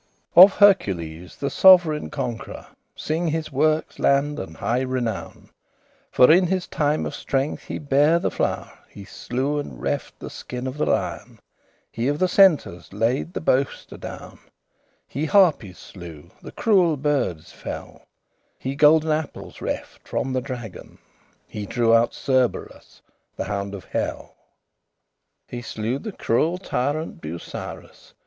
Of HERCULES the sov'reign conquerour Singe his workes' land and high renown; For in his time of strength he bare the flow'r. He slew and reft the skin of the lion He of the Centaurs laid the boast adown; He Harpies <7> slew, the cruel birdes fell; He golden apples reft from the dragon He drew out Cerberus the hound of hell. He slew the cruel tyrant Busirus.